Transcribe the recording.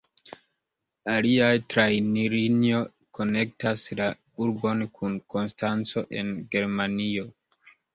Alia trajnlinio konektas la urbon kun Konstanco en Germanio.